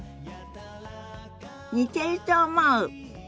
似てると思う。